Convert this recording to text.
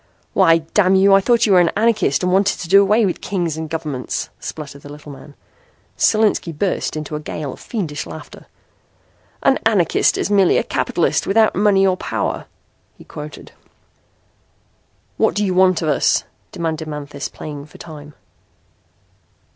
"Why, damn you, I thought you were an anarchist and wanted to do away with kings and governments," sputtered the little man. Solinski burst into a gale of fiendish laughter. "An anarchist is merely a capitalist without money or power," he quoted. "What do you want of us?" demanded Manthis, playing for time.